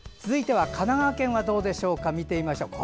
続いては神奈川県はどうでしょうか。